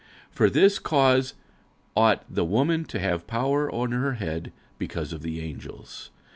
46:011:010 For this cause ought the woman to have power on her head because of the angels.